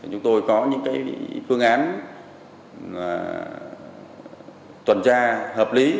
chúng tôi có những phương án tuần tra hợp lý